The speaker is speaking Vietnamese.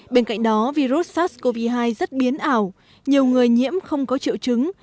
bên cạnh đó virus sars cov hai rất biến ảo nhiều người nhiễm không có triệu chứng